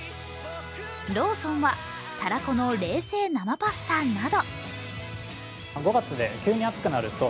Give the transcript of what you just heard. ローソンはたらこの冷製生パスタなど。